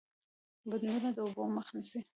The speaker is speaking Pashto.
بندونه د اوبو مخه نیسي